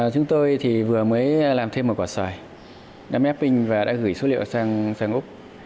chúng tôi vừa mới làm thêm một quả xoài đã mếp pin và đã gửi số liệu sang úc